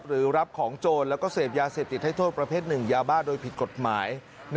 รับของโจรแล้วก็เสพยาเสพติดให้โทษประเภทหนึ่งยาบ้าโดยผิดกฎหมาย